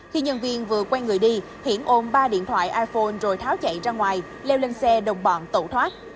khi nhân viên vừa quen người đi hiển ôm ba điện thoại iphone rồi tháo chạy ra ngoài leo lên xe đồng bọn tẩu thoát